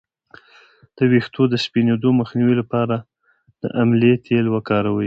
د ویښتو د سپینیدو مخنیوي لپاره د املې تېل وکاروئ